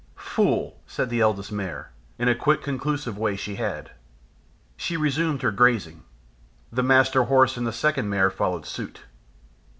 "Fool!" said the Eldest Mare, in a quick conclusive way she had. She resumed her grazing. The Master Horse and the Second Mare followed suit.